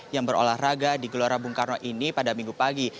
yang berolahraga di gelora bung karno ini pada minggu pagi